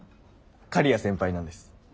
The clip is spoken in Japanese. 刈谷先輩なんです。